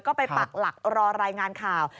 ก็ไปปักหลักรอรายงานข่าว